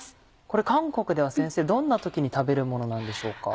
これ韓国では先生どんな時に食べるものなんでしょうか。